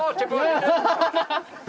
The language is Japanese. ハハハハハ！